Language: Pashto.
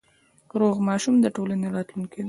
روغ ماشوم د ټولنې راتلونکی دی۔